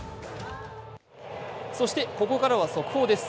そして、ここからは速報です。